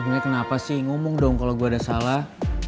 ibu nek kenapa sih ngomong dong kalo gue ada salah